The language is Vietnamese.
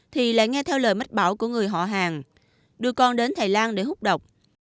thì lại nghe theo lời mách bảo của người họ hàng đưa con đến thầy lang để hút độc